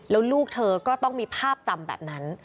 แล้วลูกเธอก็ต้องมีภาพจำแบบนั้น